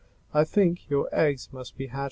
I think your eggs must be hatching."